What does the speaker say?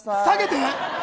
下げて！